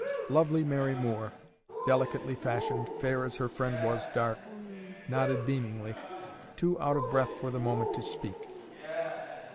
Lovely Mary Moore, delicately fashioned, fair as her friend was dark, nodded beamingly, too out of breath for the moment to speak.